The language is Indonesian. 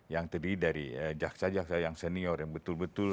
yang terdiri dari jaksa jaksa yang senior yang betul betul